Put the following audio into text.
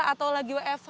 atau lagi wfh